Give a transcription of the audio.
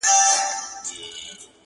دوه جواله یې پر اوښ وه را بارکړي؛